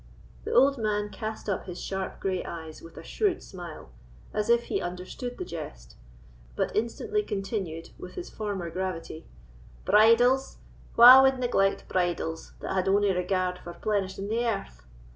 The old man cast up his sharp grey eyes with a shrewd smile, as if he understood the jest, but instantly continued, with his former gravity: "Bridals—wha wad neglect bridals that had ony regard for plenishing the earth?